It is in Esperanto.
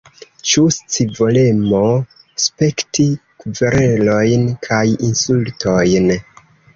Ĉu scivolemo spekti kverelojn kaj insultojn?